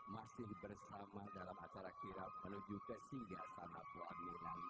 masih bersama dalam acara kirap menuju kesihasan apuamilang